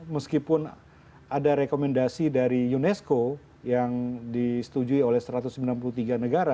meskipun ada rekomendasi dari unesco yang disetujui oleh satu ratus sembilan puluh tiga negara